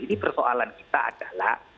ini persoalan kita adalah